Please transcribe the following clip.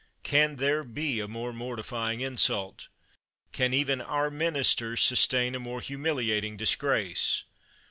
Can there be a more mortifying insult? Can even our ministers sustain a more humiliating disgrace?